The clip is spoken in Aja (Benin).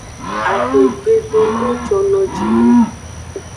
Axwegbe dodo jono ji nung.